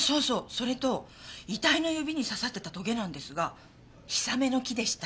それと遺体の指に刺さってたトゲなんですがヒサメノキでした。